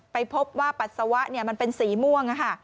ไปพบว่าปัสสาวะมันเป็นสีม่วง